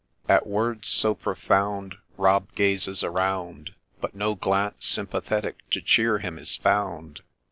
At words so profound Rob gazes around, But no glance sympathetic to cheer him is found.